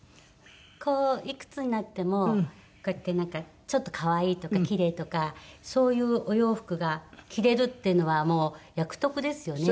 こういくつになってもこうやってなんかちょっと可愛いとかキレイとかそういうお洋服が着れるっていうのはもう役得ですよね